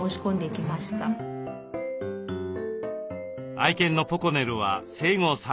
愛犬のポコネルは生後３か月。